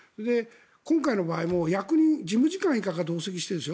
今回の場合も役員、事務次官が同席してるんです。